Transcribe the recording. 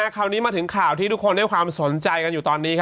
คราวนี้มาถึงข่าวที่ทุกคนได้ความสนใจกันอยู่ตอนนี้